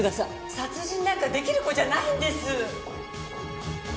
殺人なんか出来る子じゃないんです！